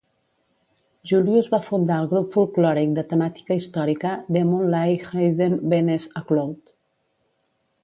Julius va fundar el grup folklòric de temàtica històrica "The Moon Lay Hidden Beneath a Cloud".